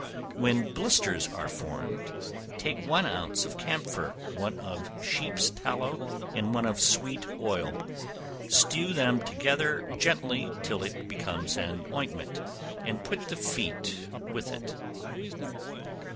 When blisters are formed, take one ounce of camphor, one of sheep's tallow, and one of sweet oil, stew them together gently till it becomes an ointment, and rub the feet with it.